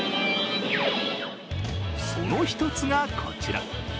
その１つが、こちら。